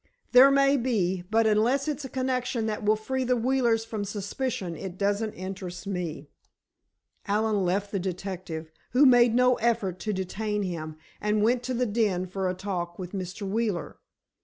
"There may be. But unless it's a connection that will free the Wheelers from suspicion, it doesn't interest me." Allen left the detective, who made no effort to detain him, and went to the den for a talk with Mr. Wheeler.